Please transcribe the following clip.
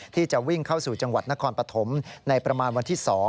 ที่จะวิ่งเข้าสู่จังหวัดนครปฐมในประมาณวันที่๒